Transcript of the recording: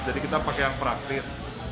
jadi kita pakai yang praktis